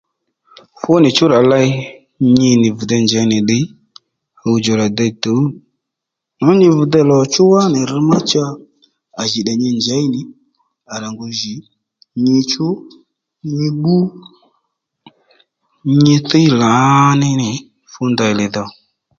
Fú nì chú rà ley nyi nì vi dey njěy nì ddiy ɦuwdjò rà dey tǔw nǔ nyi vi dey lò chú wá nì rř ma cha à jì tdè nyi njèy nì à rà ngu jì nyi chú nyi bbú nyi thíy lǎní ní nì fú ndeyli dho